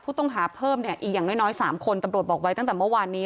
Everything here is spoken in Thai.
ผู้ต้องหาเพิ่มเนี่ยอีกอย่างน้อย๓คนตำรวจบอกไว้ตั้งแต่เมื่อวานนี้